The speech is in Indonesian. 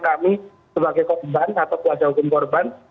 kami sebagai korban atau kuasa hukum korban